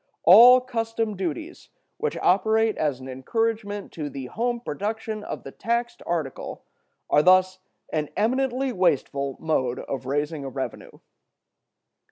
All custom duties which operate as an encouragement to the home production of the taxed article are thus an eminently wasteful mode of raising a revenue.